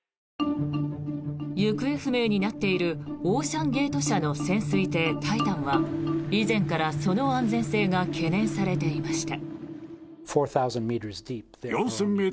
行方不明になっているオーシャンゲート社の潜水艇「タイタン」は以前から、その安全性が懸念されていました。